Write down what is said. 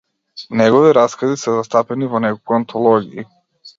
Негови раскази се застапени во неколку антологии.